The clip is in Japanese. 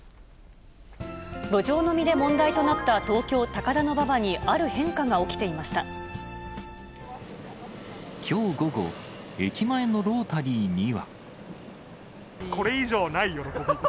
路上飲みで問題となった東京・高田馬場に、ある変化が起きてきょう午後、駅前のロータリこれ以上ない喜び。